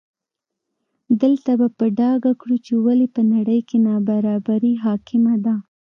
دلته به په ډاګه کړو چې ولې په نړۍ کې نابرابري حاکمه ده.